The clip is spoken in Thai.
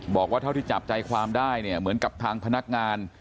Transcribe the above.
บอกว่าเท่าที่จับใจความได้เนี่ยเหมือนกับทางพนักงาน